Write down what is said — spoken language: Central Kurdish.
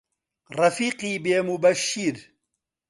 ڕەفیقی بێ موبەشیر